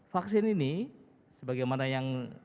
vaksin ini sebagaimana yang